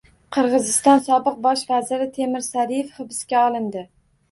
Qirg‘iziston sobiq bosh vaziri Temir Sariyev hibsga olindi